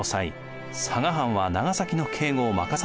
佐賀藩は長崎の警護を任されていました。